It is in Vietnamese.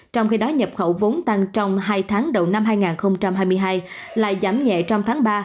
trong khi đó nhập khẩu vốn tăng trong hai tháng đầu năm hai nghìn hai mươi hai lại giảm nhẹ trong tháng ba